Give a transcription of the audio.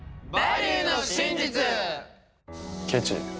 ケチ。